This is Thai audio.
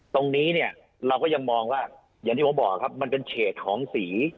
ตรงนี้เนี่ยเราก็ยังมองว่าอย่างที่ผมบอกครับมันเป็นเฉดของสี